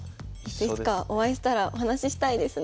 いつかお会いしたらお話ししたいですね。